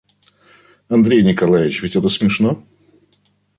Аркадий Николаич, ведь это смешно?